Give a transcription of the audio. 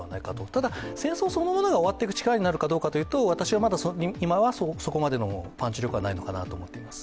ただ、戦争そのものが終わる力になるのかというと、私は今は、そこまでのパンチ力はないのかなと思っています。